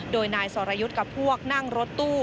โดยนายสรยุทธ์กับพวกนั่งรถตู้